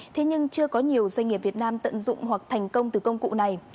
thế nhưng chưa có nhiều doanh nghiệp việt nam tận dụng hoặc thành công từ công cụ này